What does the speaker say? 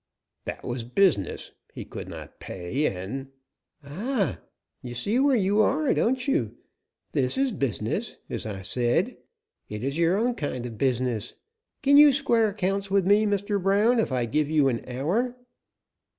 "That was business; he could not pay, and " "Ah! you see where you are, don't you? This is business, as I said. It is your own kind of business. Can you square accounts with me, Mr. Brown, if I give you an hour?"